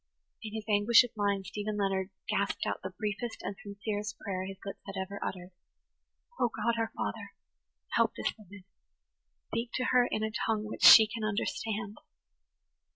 In his anguish of mind Stephen Leonard gasped out the briefest and sincerest prayer his lips had ever uttered. "O, God, our Father! Help this woman. Speak to her in a tongue which she can understand."